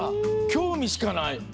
興味しかない！